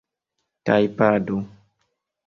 tajpado